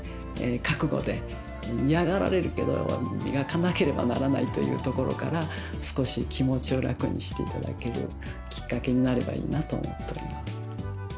覚悟で「嫌がられるけどみがかなければならない」というところから少し気持ちを楽にして頂けるきっかけになればいいなと思っております。